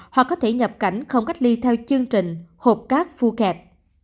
hoặc có thể nhập cảnh không cách ly theo chương trình hộp cát phu kẹt